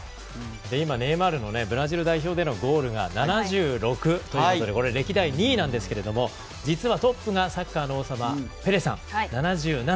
今、ネイマールのブラジル代表でのゴールが７６ということでこれ歴代２位なんですけれども実はトップがサッカーの王様、ペレさん、７７。